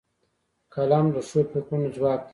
قلم د ښو فکرونو ځواک دی